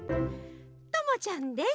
ともちゃんです。